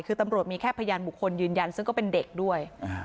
คือตำรวจมีแค่พยานบุคคลยืนยันซึ่งก็เป็นเด็กด้วย